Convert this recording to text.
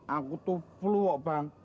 aku tuh flu bang